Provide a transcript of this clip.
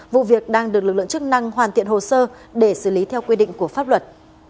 vụ việc đang được lực lượng chức năng hoàn thiện hồ sơ để xử lý theo quy định của pháp luật